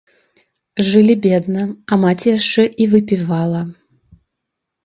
Жылі бедна, а маці яшчэ і выпівала.